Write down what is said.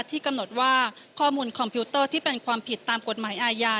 ที่กำหนดว่าข้อมูลคอมพิวเตอร์ที่เป็นความผิดตามกฎหมายอาญา